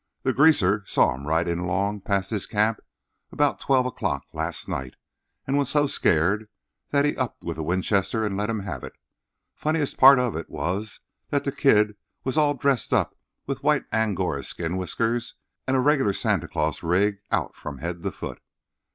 The Greaser saw him riding along past his camp about twelve o'clock last night, and was so skeered that he up with a Winchester and let him have it. Funniest part of it was that the Kid was dressed all up with white Angora skin whiskers and a regular Santy Claus rig out from head to foot.